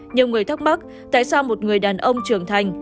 nhiều người thắc mắc tại sao một người đàn ông trưởng thành